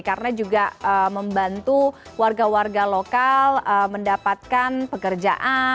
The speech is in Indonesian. karena juga membantu warga warga lokal mendapatkan pekerjaan